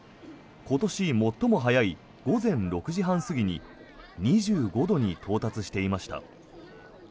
今年最も早い午前６時半過ぎに２５度に到達していました。